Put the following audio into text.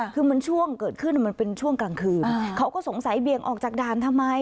คือมันช่วงเกิดขึ้นมันเป็นช่วงกลางคืนเขาก็สงสัยเบี่ยงออกจากด่านทำไม